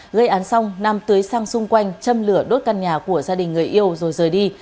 gây án xong nam tới sang xung quanh châm lửa đốt căn nhà của gia đình người yêu rồi rời đi